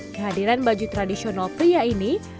kehadiran baju tradisional pria ini